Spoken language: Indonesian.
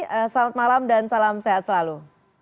selamat malam dan salam sehat selalu